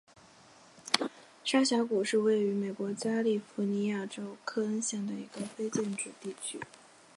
沙峡谷是位于美国加利福尼亚州克恩县的一个非建制地区。